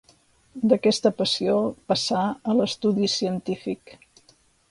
D'aquesta passió, passà a l'estudi científic.